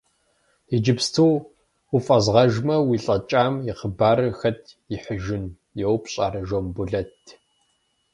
Иджыпсту уфӏэзгъэжмэ, уи лӏэкӏам и хъыбарыр хэт ихьыжын? – йоупщӏ ар Жамбулэт.